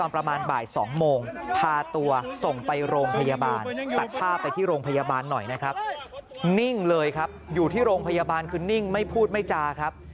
ประมาณบ่าย๒โมงพาตัวส่งไปโรงพยาบาลตัดภาพไปที่โรงพยาบาลหน่อยนะครับนิ่งเลยครับอยู่ที่โรงพยาบาลคือนิ่งไม่พูดไม่จาครับ